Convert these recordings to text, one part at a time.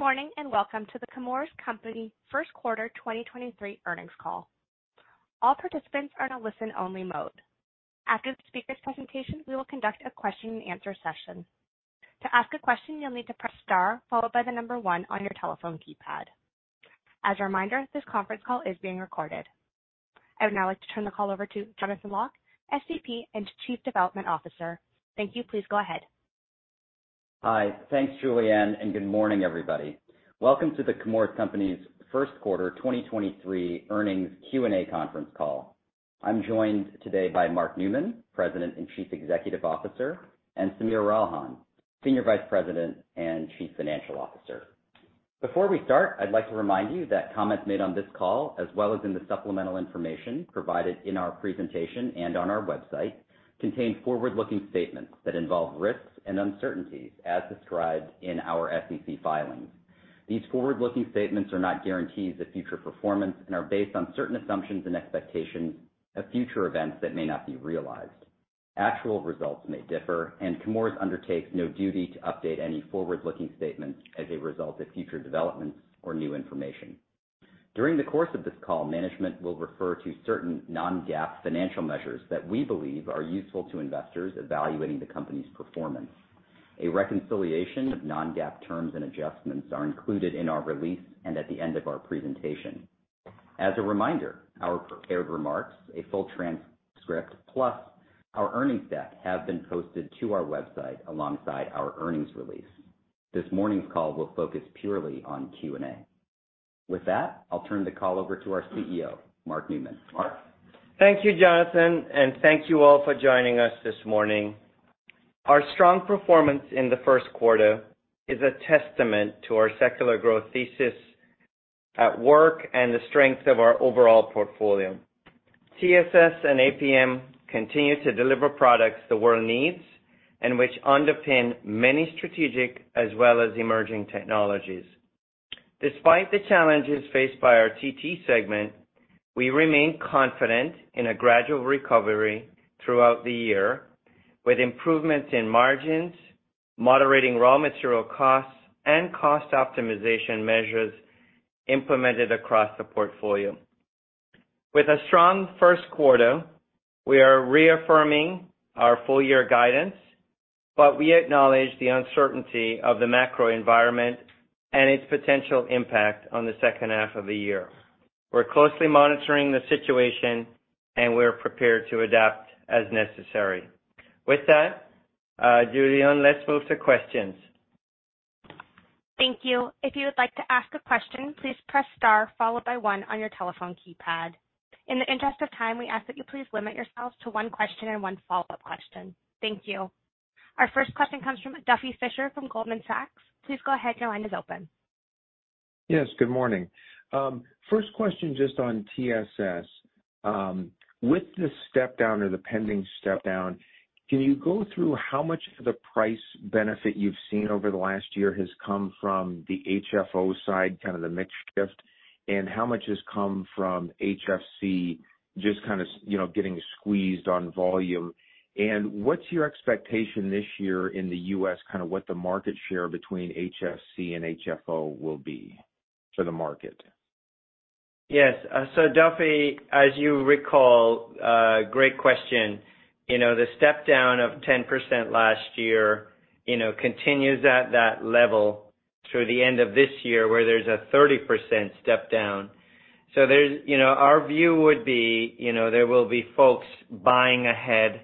Good morning, and welcome to The Chemours Company first quarter 2023 earnings call. All participants are in a listen-only mode. After the speakers' presentation, we will conduct a question-and-answer session. To ask a question, you'll need to press star followed by the number one on your telephone keypad. As a reminder, this conference call is being recorded. I would now like to turn the call over to Jonathan Lock, SVP and Chief Development Officer. Thank you. Please go ahead. Hi. Thanks, Julianne. Good morning, everybody. Welcome to the Chemours Company's first quarter 2023 earnings Q&A conference call. I'm joined today by Mark Newman, President and Chief Executive Officer, and Sameer Ralhan, Senior Vice President and Chief Financial Officer. Before we start, I'd like to remind you that comments made on this call, as well as in the supplemental information provided in our presentation and on our website, contain forward-looking statements that involve risks and uncertainties as described in our SEC filings. These forward-looking statements are not guarantees of future performance and are based on certain assumptions and expectations of future events that may not be realized. Actual results may differ, and Chemours undertakes no duty to update any forward-looking statements as a result of future developments or new information. During the course of this call, management will refer to certain non-GAAP financial measures that we believe are useful to investors evaluating the company's performance. A reconciliation of non-GAAP terms and adjustments are included in our release and at the end of our presentation. As a reminder, our prepared remarks, a full transcript, plus our earnings deck have been posted to our website alongside our earnings release. This morning's call will focus purely on Q&A. With that, I'll turn the call over to our CEO, Mark Newman. Mark? Thank you, Jonathan, and thank you all for joining us this morning. Our strong performance in the first quarter is a testament to our secular growth thesis at work and the strength of our overall portfolio. TSS and APM continue to deliver products the world needs and which underpin many strategic as well as emerging technologies. Despite the challenges faced by our TT segment, we remain confident in a gradual recovery throughout the year, with improvements in margins, moderating raw material costs, and cost optimization measures implemented across the portfolio. With a strong first quarter, we are reaffirming our full-year guidance, but we acknowledge the uncertainty of the macro environment and its potential impact on the second half of the year. We're closely monitoring the situation, and we're prepared to adapt as necessary. With that, Julianne, let's move to questions. Thank you. If you would like to ask a question, please press star followed by one on your telephone keypad. In the interest of time, we ask that you please limit yourselves to one question and one follow-up question. Thank you. Our first question comes from Duffy Fischer from Goldman Sachs. Please go ahead. Your line is open. Yes, good morning. First question just on TSS. With the step-down or the pending step-down, can you go through how much of the price benefit you've seen over the last year has come from the HFO side, kind of the mix shift, and how much has come from HFC, just kind of, you know, getting squeezed on volume? What's your expectation this year in the U.S., kind of what the market share between HFC and HFO will be for the market? Yes. Duffy, as you recall, great question. You know, the step-down of 10% last year, you know, continues at that level through the end of this year, where there's a 30% step-down. You know, our view would be, you know, there will be folks buying ahead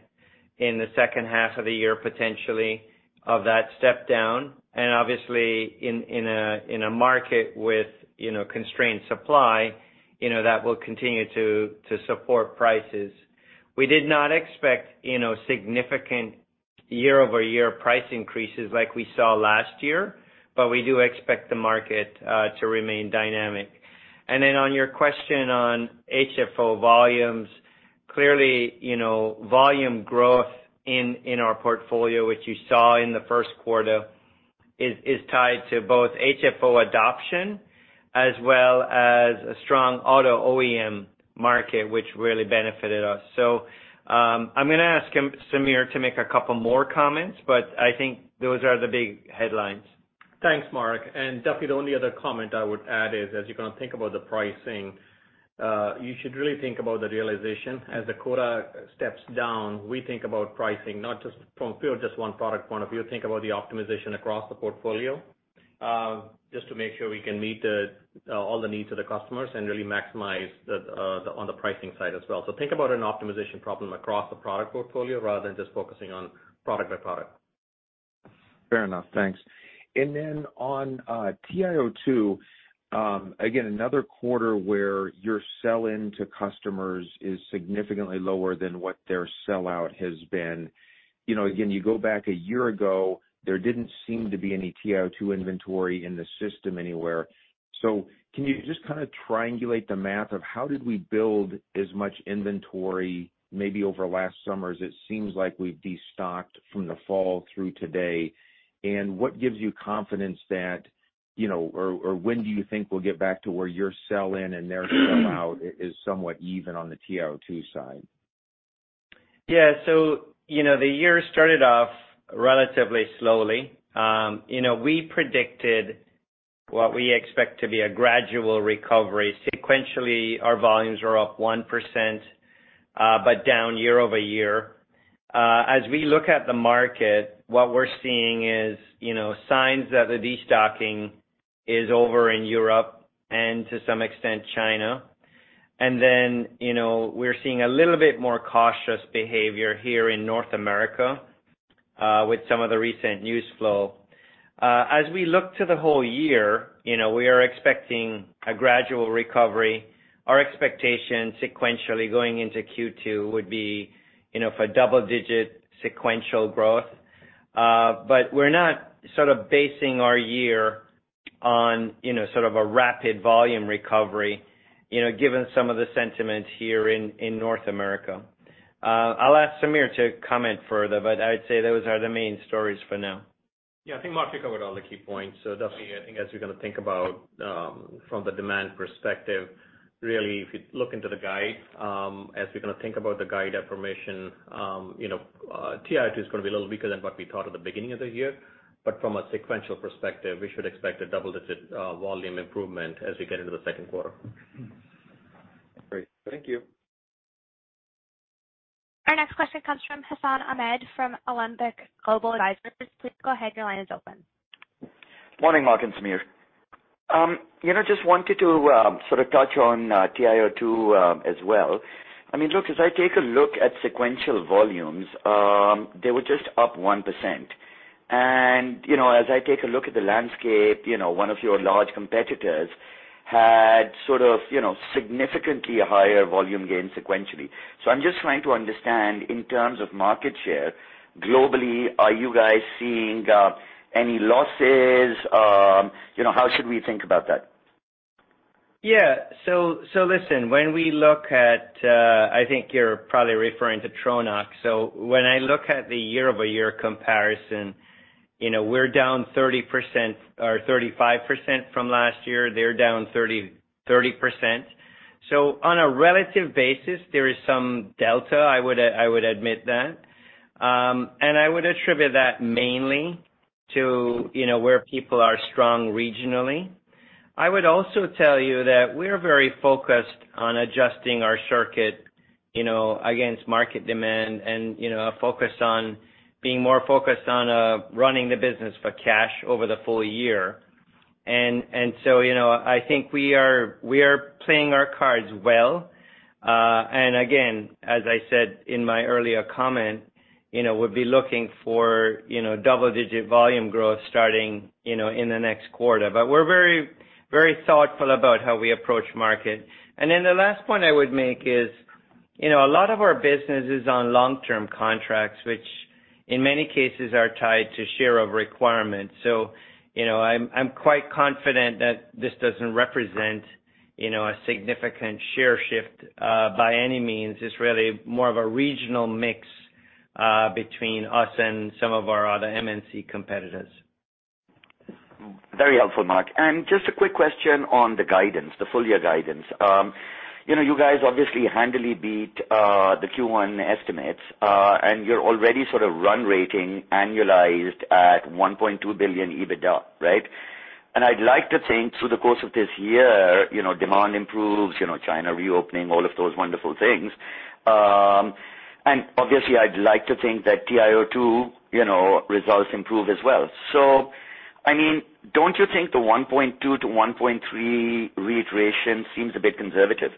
in the second half of the year, potentially, of that step-down. Obviously in a, in a market with, you know, constrained supply, you know, that will continue to support prices. We did not expect, you know, significant year-over-year price increases like we saw last year, we do expect the market to remain dynamic. On your question on HFO volumes, clearly, you know, volume growth in our portfolio, which you saw in the first quarter, is tied to both HFO adoption as well as a strong auto OEM market, which really benefited us. I'm gonna ask Sameer to make a couple more comments, but I think those are the big headlines. Thanks, Mark. Duffy, the only other comment I would add is, as you kind of think about the pricing, you should really think about the realization. As the quota steps down, we think about pricing not just from just one product point of view, think about the optimization across the portfolio, just to make sure we can meet the all the needs of the customers and really maximize the, on the pricing side as well. Think about an optimization problem across the product portfolio rather than just focusing on product by product. Fair enough. Thanks. Then on TiO2, again, another quarter where your sell into customers is significantly lower than what their sellout has been. You know, again, you go back a year ago, there didn't seem to be any TiO2 inventory in the system anywhere. Can you just kinda triangulate the math of how did we build as much inventory maybe over last summer as it seems like we've destocked from the fall through today? What gives you confidence that, you know, or when do you think we'll get back to where your sell in and their sell out is somewhat even on the TiO2 side? The year started off relatively slowly. You know, we predicted what we expect to be a gradual recovery. Sequentially, our volumes are up 1%, but down year-over-year. As we look at the market, what we're seeing is, you know, signs that the destocking is over in Europe and to some extent China. Then, you know, we're seeing a little bit more cautious behavior here in North America, with some of the recent news flow. As we look to the whole year, you know, we are expecting a gradual recovery. Our expectation sequentially going into Q2 would be, you know, for double-digit sequential growth. But we're not sort of basing our year on, you know, sort of a rapid volume recovery, you know, given some of the sentiments here in North America. I'll ask Sameer to comment further, but I'd say those are the main stories for now. Yeah. I think Mark covered all the key points. Definitely I think as we're gonna think about, from the demand perspective, really if you look into the guide, as we're gonna think about the guide information, you know, TiO2 is gonna be a little weaker than what we thought at the beginning of the year. From a sequential perspective, we should expect a double-digit volume improvement as we get into the second quarter. Great. Thank you. Our next question comes from Hassan Ahmed from Alembic Global Advisors. Please go ahead, your line is open. Morning, Mark and Sameer. You know, just wanted to sort of touch on TiO2 as well. I mean, look, as I take a look at sequential volumes, they were just up 1%. You know, as I take a look at the landscape, you know, one of your large competitors had sort of, you know, significantly higher volume gains sequentially. I'm just trying to understand in terms of market share globally, are you guys seeing any losses? You know, how should we think about that? Yeah. Listen, when we look at, I think you're probably referring to Tronox. When I look at the year-over-year comparison, you know, we're down 30% or 35% from last year. They're down 30%. On a relative basis, there is some delta, I would admit that. I would attribute that mainly to, you know, where people are strong regionally. I would also tell you that we're very focused on adjusting our circuit, you know, against market demand and, you know, focused on being more focused on running the business for cash over the full-year. I think we are playing our cards well. Again, as I said in my earlier comment, you know, we'll be looking for, you know, double-digit volume growth starting, you know, in the next quarter. We're very, very thoughtful about how we approach market. then the last point I would make is, you know, a lot of our business is on long-term contracts, which in many cases are tied to share of requirements. you know, I'm quite confident that this doesn't represent, you know, a significant share shift by any means. It's really more of a regional mix between us and some of our other M&C competitors. Very helpful, Mark. Just a quick question on the guidance, the full-year guidance. You know, you guys obviously handily beat the Q1 estimates, and you're already sort of run rating annualized at $1.2 billion EBITDA, right? I'd like to think through the course of this year, you know, demand improves, you know, China reopening, all of those wonderful things. Obviously I'd like to think that TiO2, you know, results improve as well. I mean, don't you think the $1.2 billion-$1.3 billion reiteration seems a bit conservative?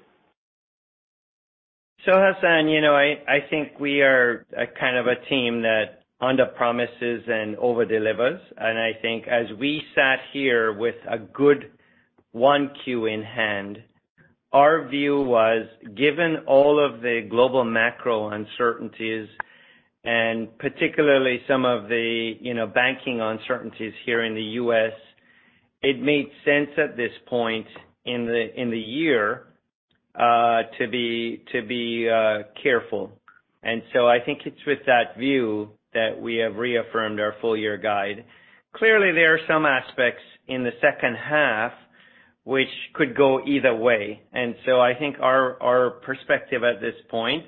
Hassan, you know, I think we are a kind of a team that under promises and over delivers. I think as we sat here with a good 1Q in hand, our view was, given all of the global macro uncertainties, and particularly some of the, you know, banking uncertainties here in the U.S., it made sense at this point in the year to be careful. I think it's with that view that we have reaffirmed our full-year guide. Clearly, there are some aspects in the second half which could go either way. I think our perspective at this point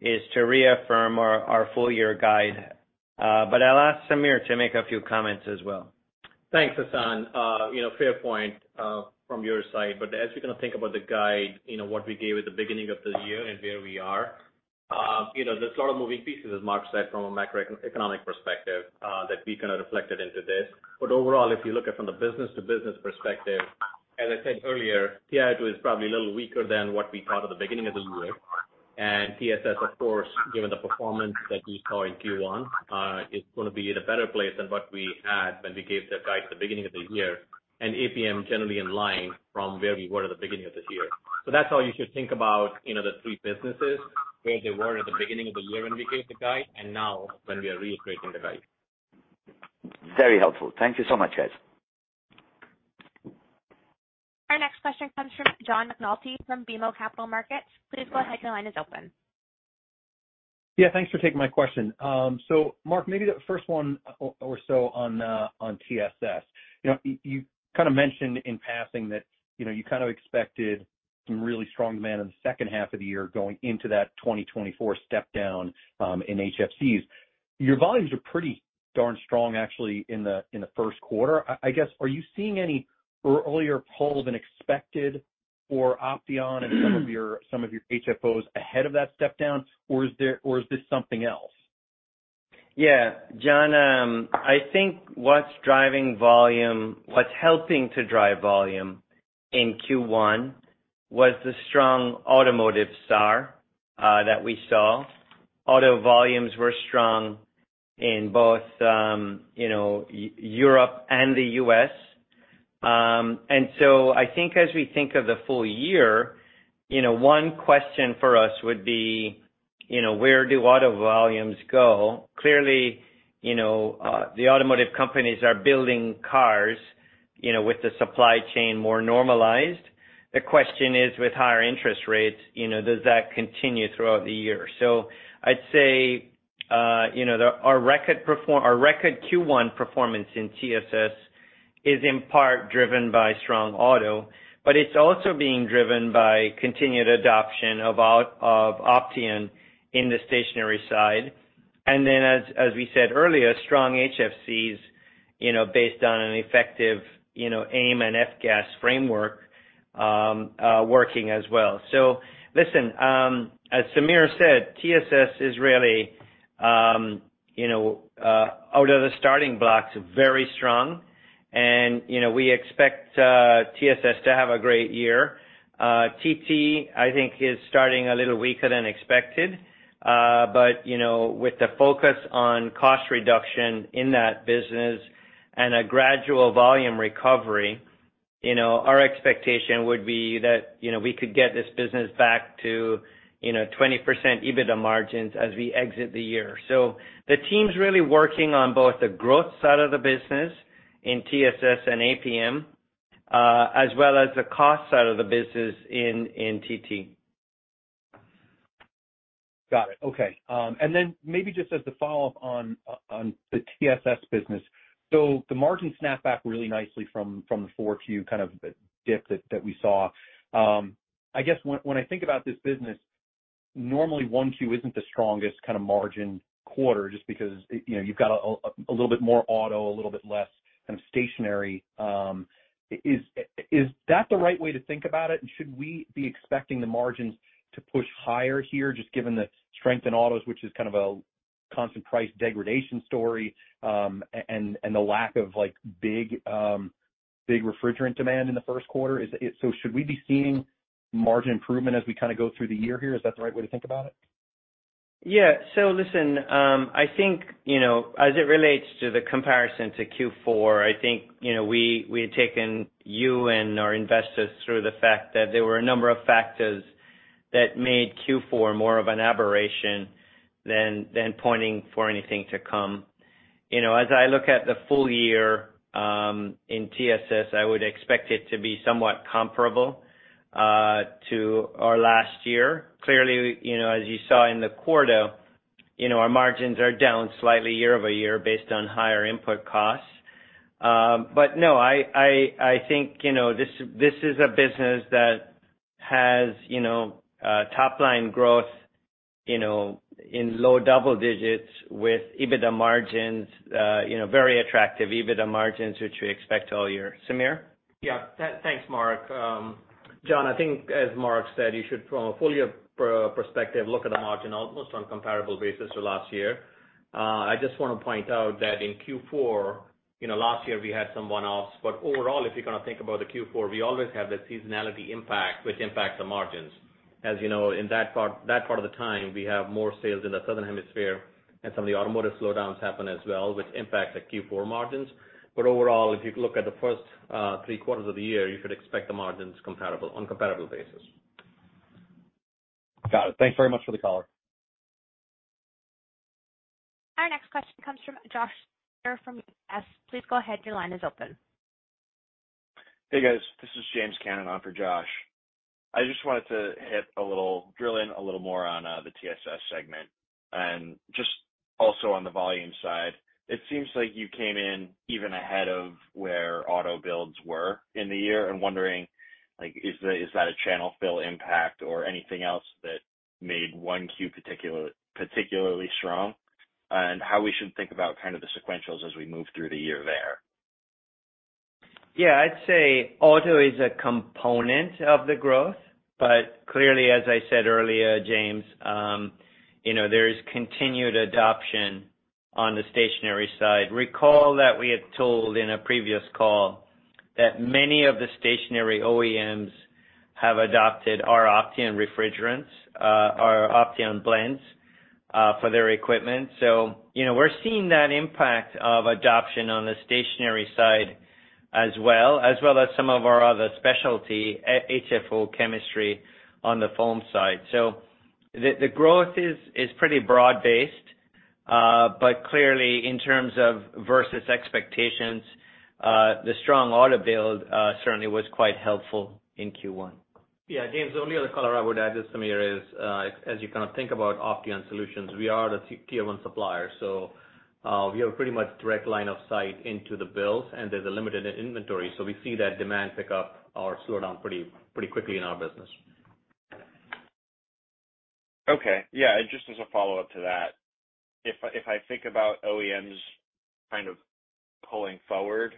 is to reaffirm our full-year guide. I'll ask Sameer to make a few comments as well. Thanks, Hassan. you know, fair point, from your side, but as we're gonna think about the guide, you know, what we gave at the beginning of the year and where we are, you know, there's a lot of moving pieces, as Mark said, from a macroeconomic perspective, that we kinda reflected into this. Overall, if you look at from the business to business perspective, as I said earlier, TiO2 is probably a little weaker than what we thought at the beginning of the year. TSS, of course, given the performance that we saw in Q1, is gonna be in a better place than what we had when we gave that guide at the beginning of the year, and APM generally in line from where we were at the beginning of the year. That's how you should think about, you know, the three businesses, where they were at the beginning of the year when we gave the guide and now when we are reiterating the guide. Very helpful. Thank you so much, guys. Our next question comes from John McNulty from BMO Capital Markets. Please go ahead, your line is open. Yeah, thanks for taking my question. Mark, maybe the first one or so on TSS. You know, you kinda mentioned in passing that, you know, you kind of expected some really strong demand in the second half of the year going into that 2024 step down, in HFCs. Your volumes are pretty darn strong actually in the, in the first quarter. I guess, are you seeing any earlier pull than expected for Opteon and some of your HFOs ahead of that step down, or is this something else? Yeah. John, I think what's helping to drive volume in Q1 was the strong automotive start that we saw. Auto volumes were strong in both, you know, Europe and the U.S. I think as we think of the full-year, you know, one question for us would be, you know, where do auto volumes go? Clearly, you know, the automotive companies are building cars, you know, with the supply chain more normalized. The question is, with higher interest rates, you know, does that continue throughout the year? I'd say, you know, our record Q1 performance in TSS is in part driven by strong auto, but it's also being driven by continued adoption of Opteon in the stationary side. As we said earlier, strong HFCs, you know, based on an effective, you know, AIM and F-gas framework, working as well. As Sameer said, TSS is really, you know, out of the starting blocks, very strong. You know, we expect TSS to have a great year. TT, I think, is starting a little weaker than expected, but, you know, with the focus on cost reduction in that business and a gradual volume recovery, you know, our expectation would be that, you know, we could get this business back to, you know, 20% EBITDA margins as we exit the year. The team's really working on both the growth side of the business in TSS and APM, as well as the cost side of the business in TT. Got it. Okay. Maybe just as the follow-up on the TSS business. The margin snapped back really nicely from the 4Q kind of dip that we saw. I guess when I think about this business, normally 1Q isn't the strongest kind of margin quarter just because, you know, you've got a little bit more auto, a little bit less kind of stationary. Is that the right way to think about it? Should we be expecting the margins to push higher here, just given the strength in autos, which is kind of a constant price degradation story, and the lack of like big refrigerant demand in the first quarter? Should we be seeing margin improvement as we kind of go through the year here? Is that the right way to think about it? Yeah. Listen, I think, you know, as it relates to the comparison to Q4, I think, you know, we had taken you and our investors through the fact that there were a number of factors that made Q4 more of an aberration than pointing for anything to come. You know, as I look at the full-year, in TSS, I would expect it to be somewhat comparable to our last year. Clearly, you know, as you saw in the quarter, you know, our margins are down slightly year-over-year based on higher input costs. No, I think, you know, this is a business that has, you know, top line growth, you know, in low double digits with EBITDA margins, you know, very attractive EBITDA margins, which we expect all year. Sameer? Yeah. Thanks, Mark. John, I think as Mark said, you should, from a full-year perspective, look at the margin almost on comparable basis to last year. I just want to point out that in Q4, you know, last year we had some one-offs. Overall, if you're gonna think about the Q4, we always have the seasonality impact which impacts the margins. As you know, in that part of the time, we have more sales in the Southern Hemisphere and some of the automotive slowdowns happen as well, which impact the Q4 margins. Overall, if you look at the first three quarters of the year, you should expect the margins comparable on comparable basis. Got it. Thanks very much for the color. Our next question comes from Josh from UBS. Please go ahead, your line is open. Hey, guys. This is James Cannon on for Josh. I just wanted to drill in a little more on the TSS segment. Just also on the volume side, it seems like you came in even ahead of where auto builds were in the year. I'm wondering, like, is that a channel fill impact or anything else that made 1Q particularly strong? How we should think about kind of the sequentials as we move through the year there. Yeah. I'd say auto is a component of the growth. Clearly, as I said earlier, James, you know, there is continued adoption on the stationary side. Recall that we had told in a previous call that many of the stationary OEMs have adopted our Opteon refrigerants, our Opteon blends, for their equipment. You know, we're seeing that impact of adoption on the stationary side as well, as well as some of our other specialty HFO chemistry on the foam side. The growth is pretty broad-based. Clearly in terms of versus expectations, the strong auto build certainly was quite helpful in Q1. James, the only other color I would add to Sameer is, as you kind of think about Opteon solutions, we are the Tier 1 supplier. We have pretty much direct line of sight into the builds, and there's a limited inventory. We see that demand pick up or slow down pretty quickly in our business. Okay. Yeah, just as a follow-up to that, if I think about OEMs kind of pulling forward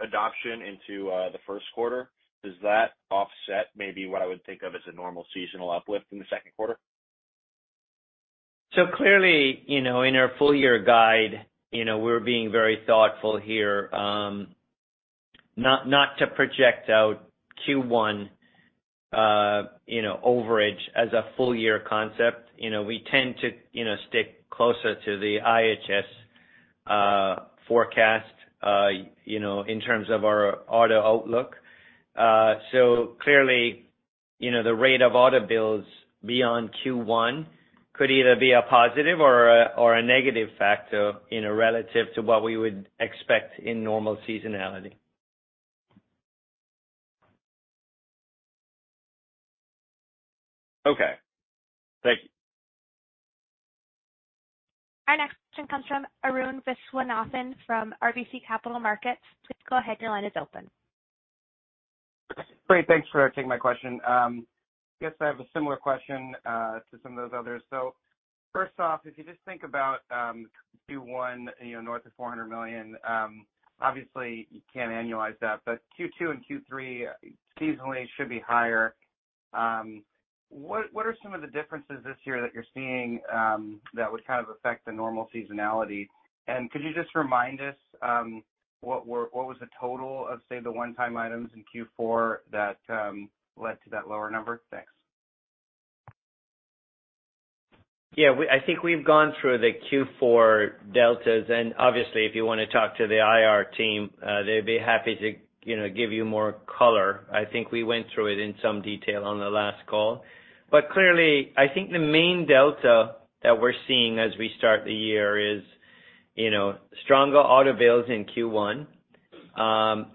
adoption into the first quarter, does that offset maybe what I would think of as a normal seasonal uplift in the second quarter? Clearly, you know, in our full-year guide, you know, we're being very thoughtful here, not to project out Q1, you know, overage as a full-year concept. You know, we tend to, you know, stick closer to the IHS forecast, you know, in terms of our auto outlook. Clearly, you know, the rate of auto builds beyond Q1 could either be a positive or a negative factor, you know, relative to what we would expect in normal seasonality. Okay. Thank you. Our next question comes from Arun Viswanathan from RBC Capital Markets. Please go ahead. Your line is open. Great. Thanks for taking my question. I guess I have a similar question to some of those others. First off, if you just think about Q1, you know, north of $400 million, obviously you can't annualize that, but Q2 and Q3 seasonally should be higher. What are some of the differences this year that you're seeing that would kind of affect the normal seasonality? Could you just remind us what was the total of, say, the one-time items in Q4 that led to that lower number? Thanks. Yeah, I think we've gone through the Q4 deltas, and obviously if you wanna talk to the IR team, they'd be happy to, you know, give you more color. I think we went through it in some detail on the last call. Clearly I think the main delta that we're seeing as we start the year is, you know, stronger auto builds in Q1.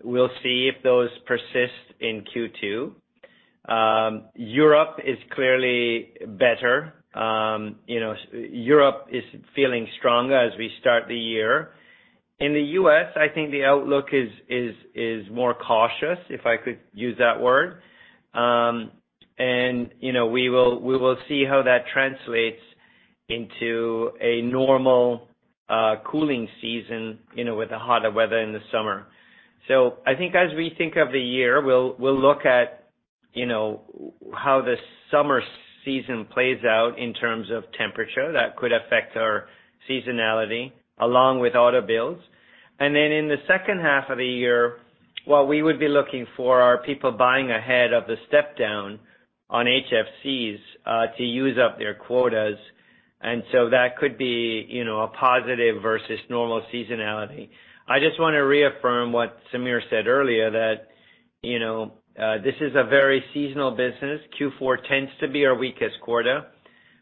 We'll see if those persist in Q2. Europe is clearly better. You know, Europe is feeling stronger as we start the year. In the U.S., I think the outlook is more cautious, if I could use that word. You know, we will see how that translates into a normal cooling season, you know, with the hotter weather in the summer. I think as we think of the year, we'll look at, you know, how the summer season plays out in terms of temperature that could affect our seasonality along with auto builds. In the second half of the year, what we would be looking for are people buying ahead of the step down on HFCs to use up their quotas. That could be, you know, a positive versus normal seasonality. I just wanna reaffirm what Sameer said earlier, that, you know, this is a very seasonal business. Q4 tends to be our weakest quarter.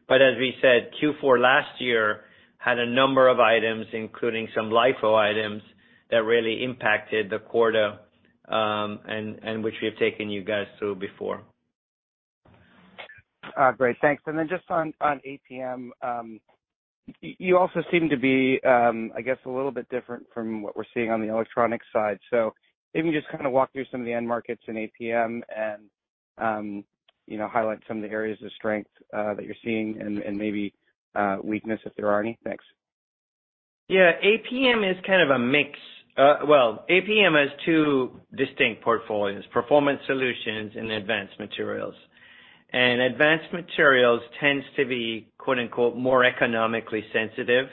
As we said, Q4 last year had a number of items, including some LIFO items that really impacted the quarter, and which we have taken you guys through before. Great. Thanks. Just on APM, you also seem to be, I guess, a little bit different from what we're seeing on the electronic side. Maybe you just kinda walk through some of the end markets in APM and, you know, highlight some of the areas of strength that you're seeing and maybe weakness if there are any. Thanks. APM is kind of a mix. Well, APM has two distinct portfolios, Performance Solutions and Advanced Materials. Advanced Materials tends to be, quote-unquote, "More economically sensitive."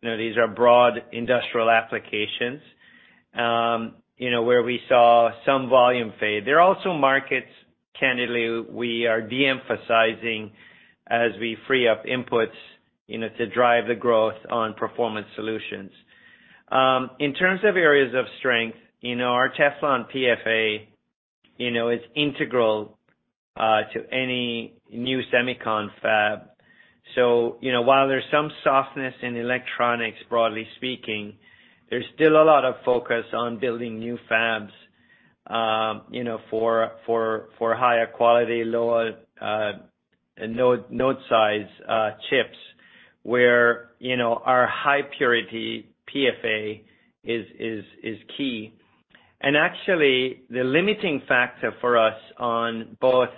You know, these are broad industrial applications, you know, where we saw some volume fade. They're also markets, candidly, we are de-emphasizing as we free up inputs, you know, to drive the growth on Performance Solutions. In terms of areas of strength, you know, our Teflon PFA, you know, is integral to any new semicon fab. You know, while there's some softness in electronics, broadly speaking, there's still a lot of focus on building new fabs, you know, for higher quality, lower node size chips where, you know, our high purity PFA is key. Actually the limiting factor for us on both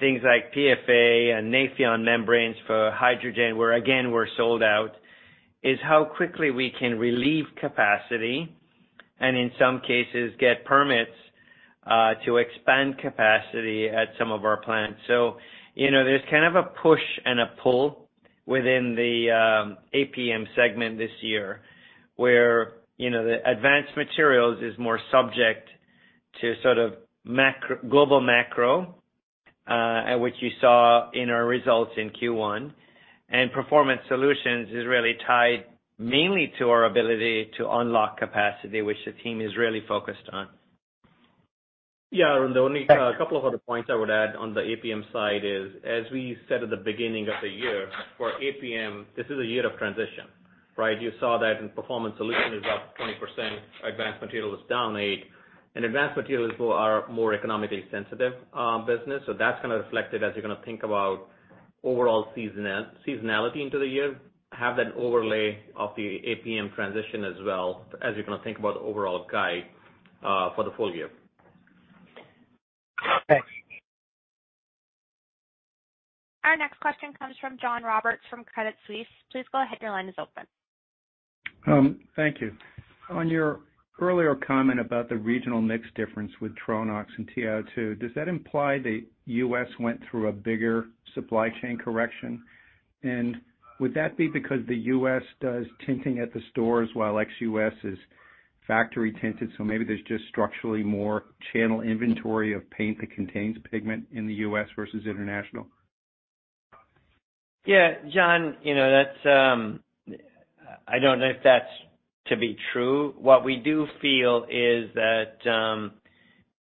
things like PFA and Nafion membranes for hydrogen, where again, we're sold out, is how quickly we can relieve capacity and in some cases get permits to expand capacity at some of our plants. You know, there's kind of a push and a pull within the APM segment this year, where, you know, the Advanced Materials is more subject to sort of global macro, which you saw in our results in Q1. Performance Solutions is really tied mainly to our ability to unlock capacity, which the team is really focused on. Yeah. Arun, Thanks. A couple of other points I would add on the APM side is, as we said at the beginning of the year, for APM, this is a year of transition, right? You saw that in Performance Solution is up 20%, Advanced Materials is down 8%, and Advanced Materials are more economically sensitive, business. That's gonna reflect it as you're gonna think about. Overall seasonality into the year, have that overlay of the APM transition as well, as you're gonna think about the overall guide for the full-year. Okay. Our next question comes from John Roberts from Credit Suisse. Please go ahead, your line is open. Thank you. On your earlier comment about the regional mix difference with Tronox and TiO2, does that imply the U.S. went through a bigger supply chain correction? Would that be because the U.S. does tinting at the stores while ex-U.S. is factory tinted, so maybe there's just structurally more channel inventory of paint that contains pigment in the U.S. versus international? Yeah, John, you know, that's, I don't know if that's to be true. What we do feel is that,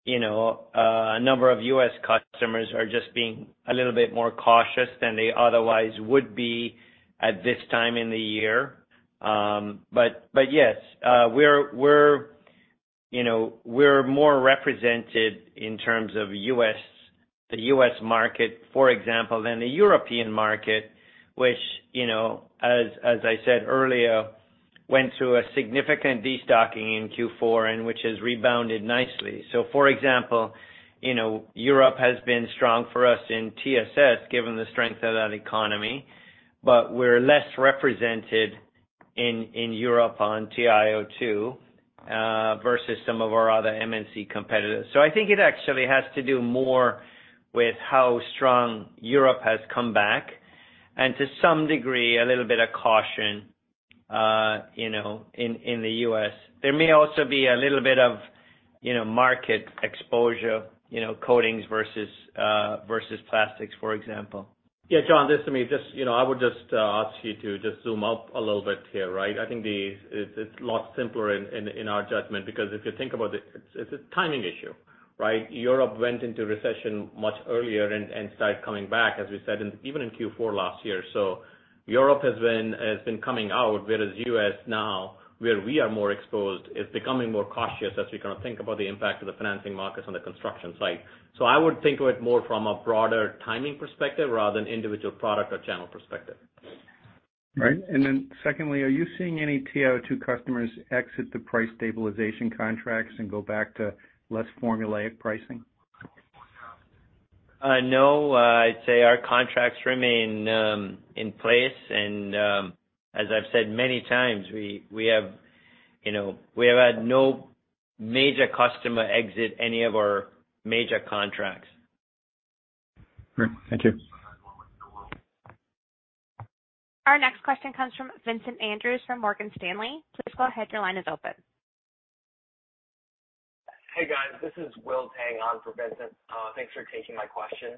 you know, a number of U.S. customers are just being a little bit more cautious than they otherwise would be at this time in the year. But yes, we're, you know, we're more represented in terms of U.S., the U.S. market, for example, than the European market, which, you know, as I said earlier, went through a significant destocking in Q4 and which has rebounded nicely. For example, you know, Europe has been strong for us in TSS, given the strength of that economy, but we're less represented in Europe on TiO2, versus some of our other M&C competitors. I think it actually has to do more with how strong Europe has come back. To some degree, a little bit of caution, you know, in the U.S. There may also be a little bit of, you know, market exposure, you know, coatings versus plastics, for example. Yeah, John, this is Sameer. Just, you know, I would just ask you to just zoom out a little bit here, right? I think it's a lot simpler in our judgment because if you think about it's a timing issue, right? Europe went into recession much earlier and started coming back, as we said even in Q4 last year. Europe has been coming out, whereas U.S. now, where we are more exposed, is becoming more cautious as we kind of think about the impact of the financing markets on the construction site. I would think of it more from a broader timing perspective rather than individual product or channel perspective. Right. Then secondly, are you seeing any TiO2 customers exit the price stabilization contracts and go back to less formulaic pricing? No. I'd say our contracts remain in place and as I've said many times, we have had no major customer exit any of our major contracts. Great. Thank you. Our next question comes from Vincent Andrews from Morgan Stanley. Please go ahead, your line is open. Hey, guys. This is Will Tang on for Vincent. Thanks for taking my question.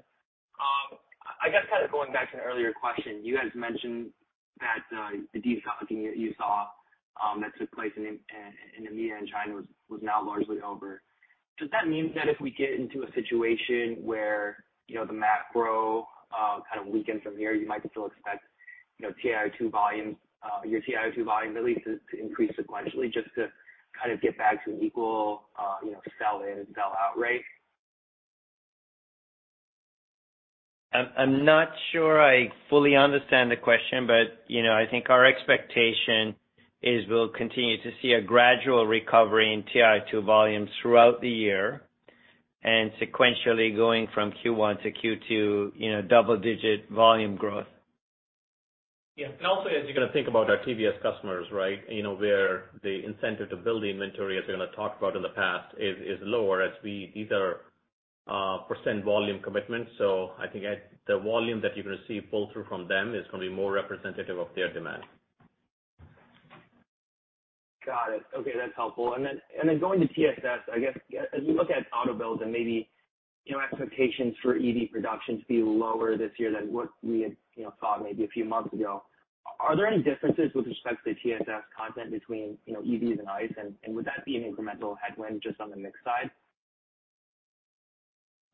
I guess kind of going back to an earlier question, you guys mentioned that the destocking that you saw that took place in EMEA and China was now largely over. Does that mean that if we get into a situation where, you know, the macro kind of weakens from here, you might still expect, you know, TiO2 volumes, your TiO2 volumes at least to increase sequentially just to kind of get back to an equal, you know, sell in and sell out rate? I'm not sure I fully understand the question, you know, I think our expectation is we'll continue to see a gradual recovery in TiO2 volumes throughout the year, and sequentially going from Q1 to Q2, you know, double-digit volume growth. Yeah. Also, as you're gonna think about our TSS customers, right? You know, where the incentive to build the inventory, as we kind of talked about in the past, is lower as these are percent volume commitments. So I think at the volume that you're gonna see pull through from them is gonna be more representative of their demand. Got it. Okay, that's helpful. Then going to TSS, I guess, as we look at auto builds and maybe, you know, expectations for EV production to be lower this year than what we had, you know, thought maybe a few months ago, are there any differences with respect to the TSS content between, you know, EVs and ICE, and would that be an incremental headwind just on the mix side?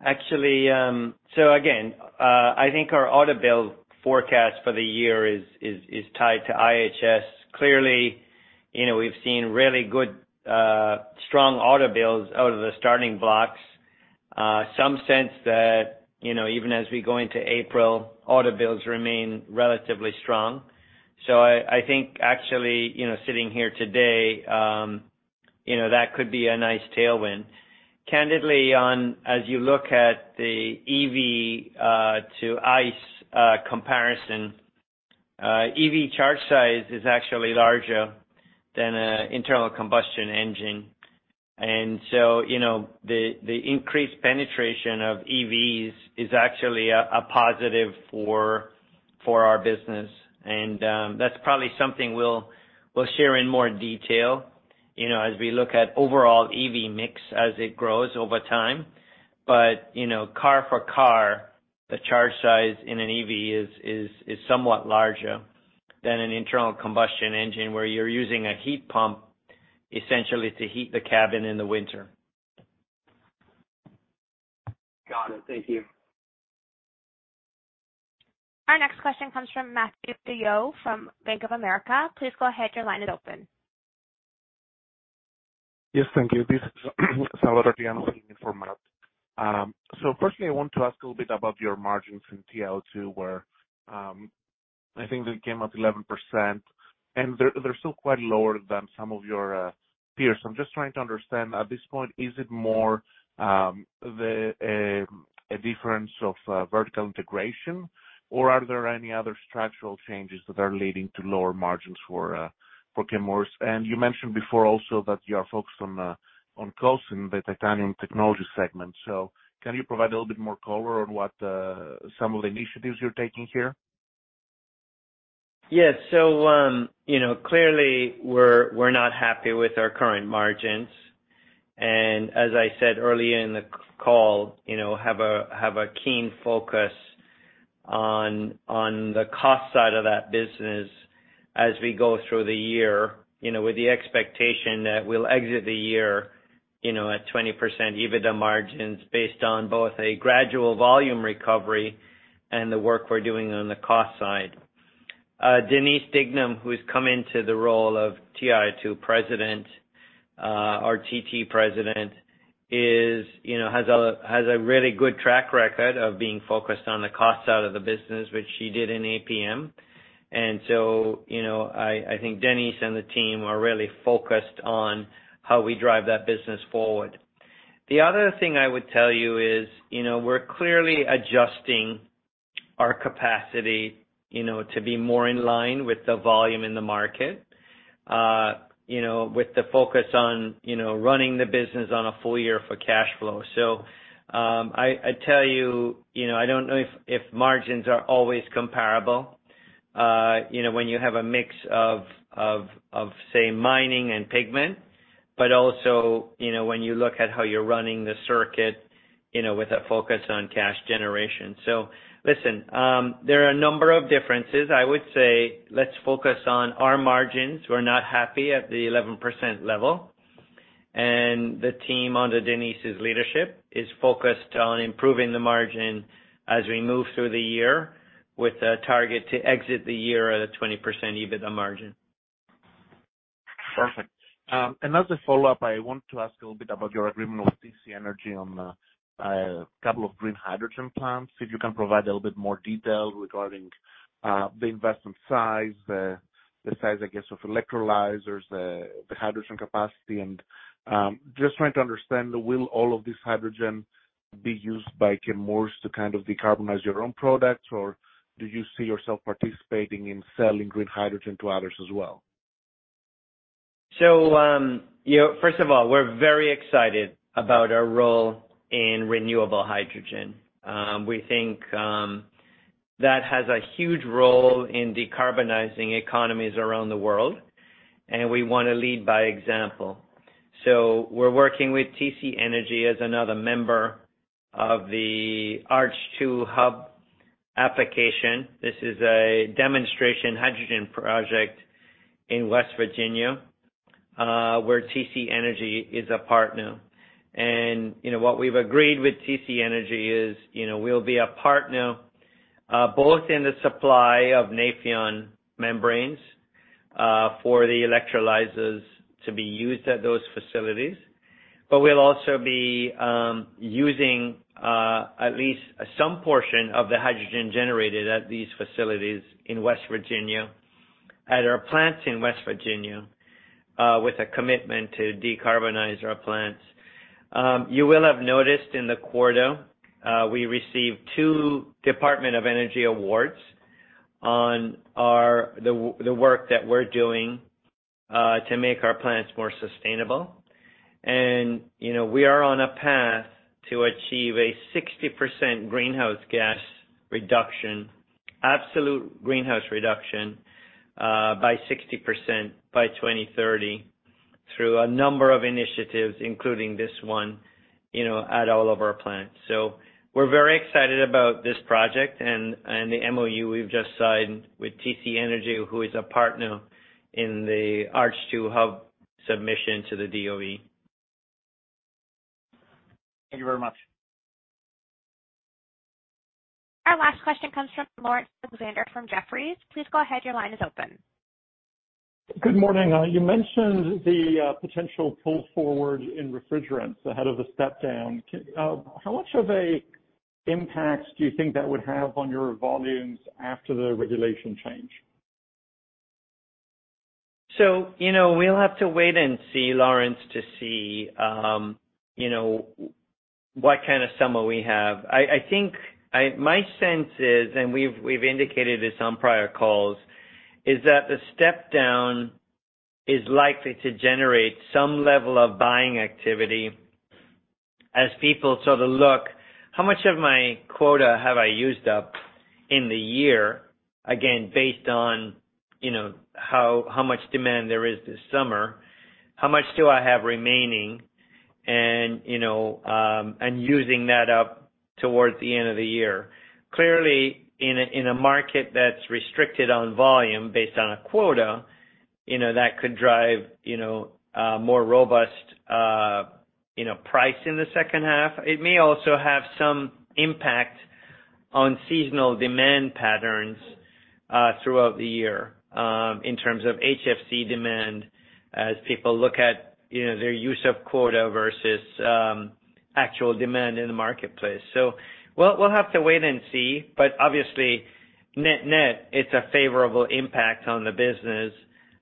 Actually, again, I think our auto build forecast for the year is tied to IHS. Clearly, you know, we've seen really good, strong auto builds out of the starting blocks. Some sense that, you know, even as we go into April, auto builds remain relatively strong. I think actually, you know, sitting here today, you know, that could be a nice tailwind. Candidly on as you look at the EV to ICE comparison, EV charge size is actually larger than a internal combustion engine. You know, the increased penetration of EVs is actually a positive for our business. That's probably something we'll share in more detail, you know, as we look at overall EV mix as it grows over time. You know, car for car, the charge size in an EV is somewhat larger than an internal combustion engine, where you're using a heat pump essentially to heat the cabin in the winter. Got it. Thank you. Our next question comes from Matthew DeYoe from Bank of America. Please go ahead, your line is open. Yes, thank you. This is Salvador Tiano in for Matt. Firstly, I want to ask a little bit about your margins in TiO2, where, I think they came up 11% and they're still quite lower than some of your peers. I'm just trying to understand at this point, is it more a difference of vertical integration or are there any other structural changes that are leading to lower margins for Chemours? You mentioned before also that you are focused on costs in the titanium technology segment. Can you provide a little bit more color on what some of the initiatives you're taking here? You know, clearly we're not happy with our current margins and as I said earlier in the call, you know, have a keen focus on the cost side of that business as we go through the year, you know, with the expectation that we'll exit the year, you know, at 20% EBITDA margins based on both a gradual volume recovery and the work we're doing on the cost side. Denise Dignam, who's come into the role of TiO2 President, our TT President is, you know, has a really good track record of being focused on the cost side of the business, which she did in APM. You know, I think Denise and the team are really focused on how we drive that business forward. The other thing I would tell you is, you know, we're clearly adjusting our capacity, you know, to be more in line with the volume in the market, you know, with the focus on, you know, running the business on a full-year for cash flow. I tell you know, I don't know if margins are always comparable, you know, when you have a mix of, say, mining and pigment, but also, you know, when you look at how you're running the circuit, you know, with a focus on cash generation. Listen, there are a number of differences. I would say let's focus on our margins. We're not happy at the 11% level. The team under Denise's leadership is focused on improving the margin as we move through the year with a target to exit the year at a 20% EBITDA margin. Perfect. As a follow-up, I want to ask a little bit about your agreement with TC Energy on a couple of green hydrogen plants. If you can provide a little bit more detail regarding the investment size, the size, I guess, of electrolyzers, the hydrogen capacity? Just trying to understand, will all of this hydrogen be used by Chemours to kind of decarbonize your own products? Or do you see yourself participating in selling green hydrogen to others as well? You know, first of all, we're very excited about our role in renewable hydrogen. We think that has a huge role in decarbonizing economies around the world, and we wanna lead by example. We're working with TC Energy as another member of the ARCH2 Hub application. This is a demonstration hydrogen project in West Virginia, where TC Energy is a partner. You know, what we've agreed with TC Energy is, you know, we'll be a partner both in the supply of Nafion membranes for the electrolyzers to be used at those facilities. We'll also be using at least some portion of the hydrogen generated at these facilities in West Virginia, at our plants in West Virginia, with a commitment to decarbonize our plants. You will have noticed in the quarter, we received two Department of Energy awards on the work that we're doing to make our plants more sustainable. You know, we are on a path to achieve a 60% greenhouse gas reduction, absolute greenhouse reduction, by 60% by 2030 through a number of initiatives, including this one, you know, at all of our plants. We're very excited about this project and the MOU we've just signed with TC Energy, who is a partner in the ARCH2 Hub submission to the DOE. Thank you very much. Our last question comes from Laurence Alexander from Jefferies. Please go ahead. Your line is open. Good morning. you mentioned the potential pull forward in refrigerants ahead of the step down. How much of a impact do you think that would have on your volumes after the regulation change? You know, we'll have to wait and see, Laurence, to see, you know, what kind of summer we have. I think my sense is, and we've indicated this on prior calls, is that the step down is likely to generate some level of buying activity as people sort of look, how much of my quota have I used up in the year? Again, based on, you know, how much demand there is this summer, how much do I have remaining? you know, and using that up towards the end of the year. Clearly, in a, in a market that's restricted on volume based on a quota, you know, that could drive, you know, price in the second half. It may also have some impact on seasonal demand patterns, throughout the year, in terms of HFC demand as people look at, you know, their use of quota versus, actual demand in the marketplace. We'll have to wait and see. Obviously, net-net, it's a favorable impact on the business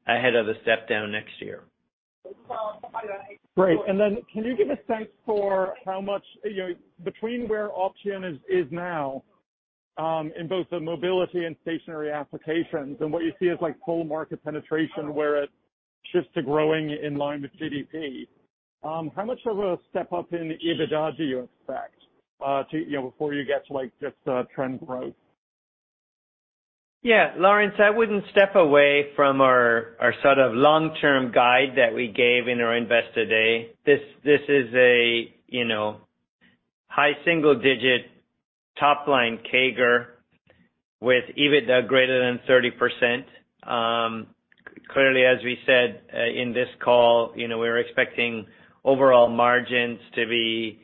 ahead of the step-down next year. Great. Then can you give a sense for how much, you know, between where Opteon is now, in both the mobility and stationary applications and what you see as like full market penetration where it shifts to growing in line with GDP, how much of a step-up in EBITDA do you expect, to, you know, before you get to, like, just, trend growth? Yeah. Laurence, I wouldn't step away from our sort of long-term guide that we gave in our Investor Day. This is a, you know, high single digit top line CAGR with EBITDA greater than 30%. Clearly, as we said, in this call, you know, we're expecting overall margins to be,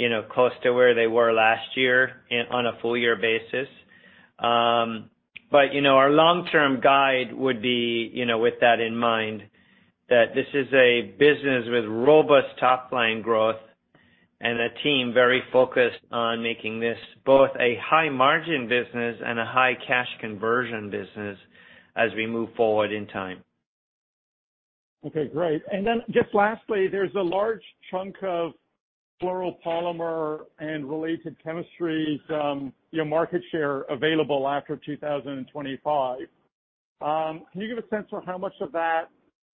you know, close to where they were last year on a full-year basis. Our long-term guide would be, you know, with that in mind, that this is a business with robust top line growth and a team very focused on making this both a high margin business and a high cash conversion business as we move forward in time. Okay, great. Then just lastly, there's a large chunk of fluoropolymer and related chemistries, you know, market share available after 2025. Can you give a sense for how much of that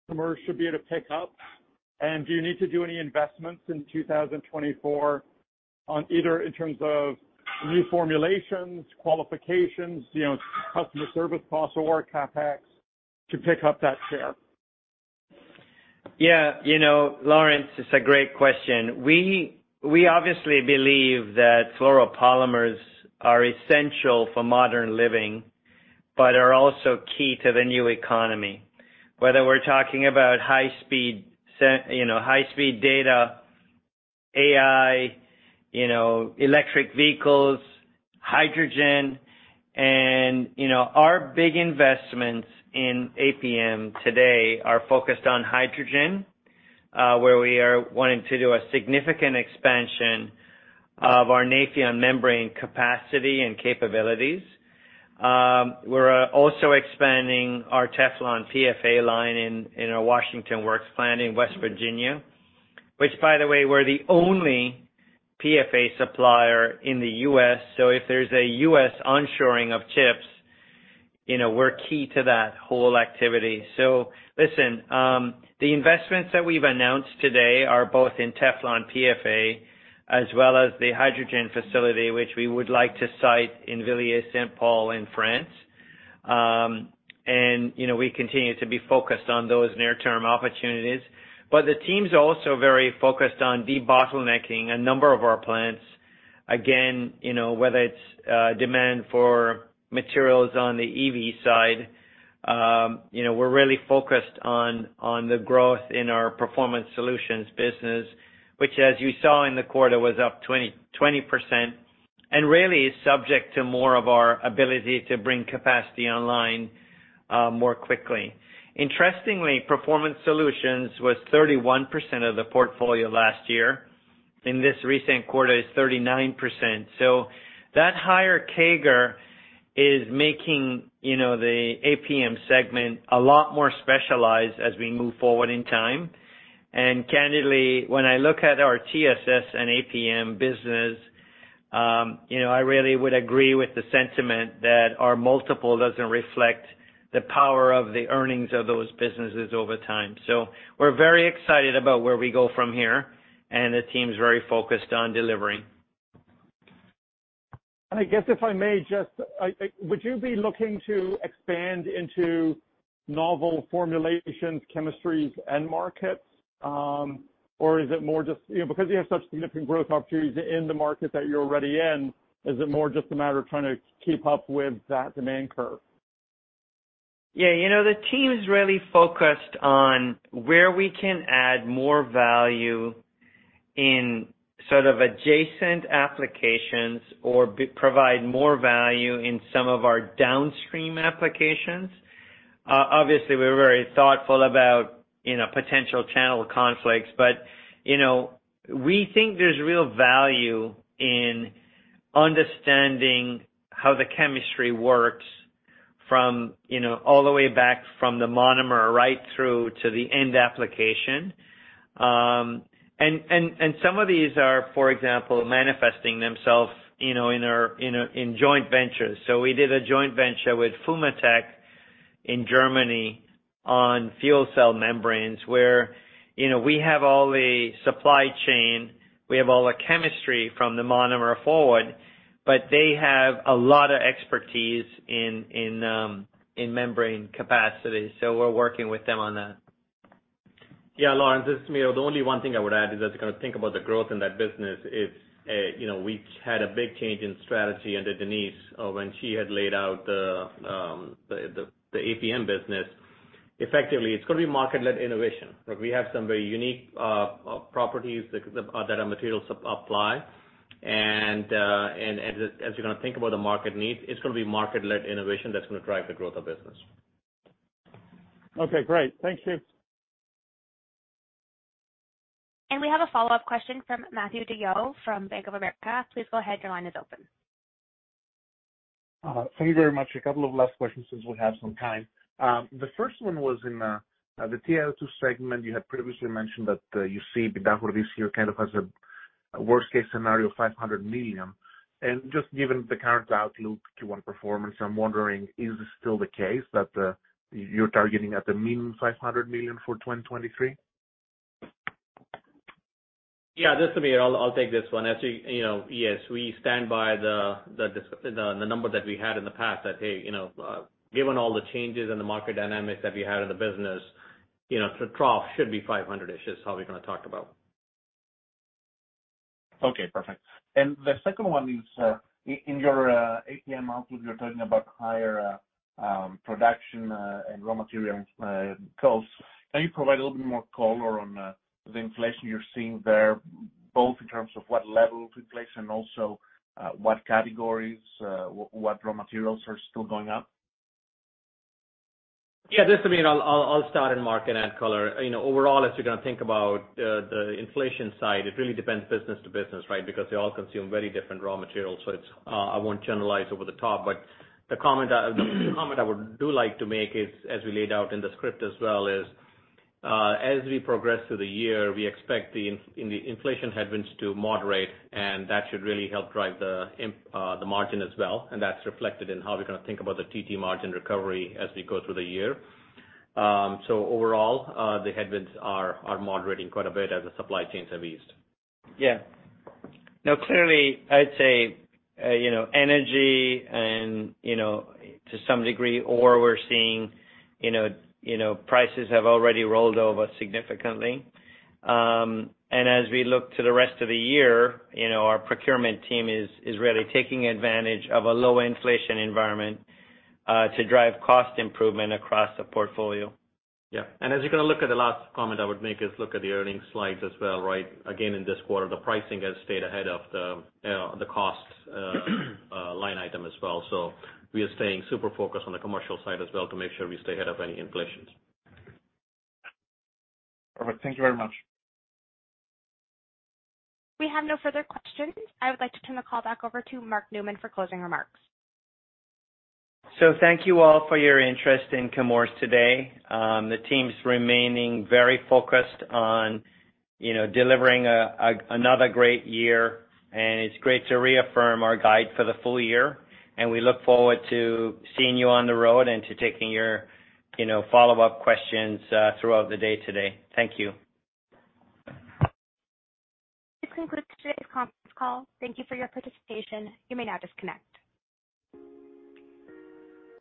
Venator should be able to pick up? Do you need to do any investments in 2024 on either in terms of new formulations, qualifications, you know, customer service costs or CapEx to pick up that share? Yeah. You know, Laurence, it's a great question. We obviously believe that fluoropolymers are essential for modern living, but are also key to the new economy, whether we're talking about high speed data, AI, you know, electric vehicles, hydrogen. You know, our big investments in APM today are focused on hydrogen, where we are wanting to do a significant expansion of our Nafion membrane capacity and capabilities. We're also expanding our Teflon PFA line in our Washington Works plant in West Virginia, which by the way, we're the only PFA supplier in the U.S. If there's a U.S. onshoring of chips, you know, we're key to that whole activity. Listen, the investments that we've announced today are both in Teflon PFA as well as the hydrogen facility, which we would like to site in Villers-Saint-Paul in France. You know, we continue to be focused on those near-term opportunities. The team's also very focused on debottlenecking a number of our plants. Again, you know, whether it's demand for materials on the EV side, you know, we're really focused on the growth in our Performance Solutions business, which as you saw in the quarter, was up 20% and really is subject to more of our ability to bring capacity online more quickly. Interestingly, Performance Solutions was 31% of the portfolio last year. In this recent quarter, it's 39%. That higher CAGR is making, you know, the APM segment a lot more specialized as we move forward in time. Candidly, when I look at our TSS and APM business, you know, I really would agree with the sentiment that our multiple doesn't reflect the power of the earnings of those businesses over time. We're very excited about where we go from here, and the team's very focused on delivering. I guess if I may just would you be looking to expand into novel formulations, chemistries, end markets? Or is it more just, you know, because you have such significant growth opportunities in the market that you're already in, is it more just a matter of trying to keep up with that demand curve? Yeah. You know, the team's really focused on where we can add more value in sort of adjacent applications or provide more value in some of our downstream applications. Obviously, we're very thoughtful about, you know, potential channel conflicts. You know, we think there's real value in understanding how the chemistry works from, you know, all the way back from the monomer right through to the end application. And some of these are, for example, manifesting themselves, you know, in our, in a, in joint ventures. We did a joint venture with FUMATECH in Germany on fuel cell membranes, where, you know, we have all the supply chain, we have all the chemistry from the monomer forward, but they have a lot of expertise in membrane capacity. We're working with them on that. Yeah. Laurence, this is Sameer. The only one thing I would add is as you kind of think about the growth in that business is, you know, we've had a big change in strategy under Denise, when she had laid out the APM business. Effectively, it's gonna be market-led innovation. Like, we have some very unique properties that our materials apply. As you're gonna think about the market need, it's gonna be market-led innovation that's gonna drive the growth of business. Okay, great. Thank you. We have a follow-up question from Matthew DeYoe from Bank of America. Please go ahead, your line is open. Thank you very much. A couple of last questions since we have some time. The first one was in the TiO2 segment. You had previously mentioned that you see EBITDA this year kind of as a worst case scenario, $500 million. Just given the current outlook Q1 performance, I'm wondering, is this still the case that you're targeting at the mean $500 million for 2023? Yeah, this is Sameer. I'll take this one. As you know, yes, we stand by the number that we had in the past that, hey, you know, given all the changes in the market dynamics that we had in the business, you know, the trough should be $500-ish is how we're gonna talk about. Okay, perfect. The second one is, in your APM outlook, you're talking about higher production and raw material costs. Can you provide a little bit more color on the inflation you're seeing there, both in terms of what level of inflation, also, what categories, what raw materials are still going up? Yeah, this is Sameer. I'll start and Mark can add color. You know, overall, as you're gonna think about the inflation side, it really depends business to business, right? Because they all consume very different raw materials, so it's I won't generalize over the top. The comment I would like to make is, as we laid out in the script as well is, as we progress through the year, we expect the inflation headwinds to moderate, and that should really help drive the margin as well. That's reflected in how we're gonna think about the TT margin recovery as we go through the year. Overall, the headwinds are moderating quite a bit as the supply chains have eased. Yeah. No, clearly, I'd say, you know, energy and, you know, to some degree, ore we're seeing, you know, prices have already rolled over significantly. As we look to the rest of the year, you know, our procurement team is really taking advantage of a low inflation environment, to drive cost improvement across the portfolio. Yeah. As you're gonna look at the last comment I would make is look at the earnings slides as well, right? Again, in this quarter, the pricing has stayed ahead of the cost line item as well. We are staying super focused on the commercial side as well to make sure we stay ahead of any inflations. All right. Thank you very much. We have no further questions. I would like to turn the call back over to Mark Newman for closing remarks. Thank you all for your interest in Chemours today. The team's remaining very focused on, you know, delivering another great year, and it's great to reaffirm our guide for the full-year, and we look forward to seeing you on the road and to taking your, you know, follow-up questions throughout the day today. Thank you. This concludes today's conference call. Thank you for your participation. You may now disconnect.